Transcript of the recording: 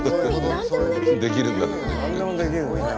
何でもできるんだね。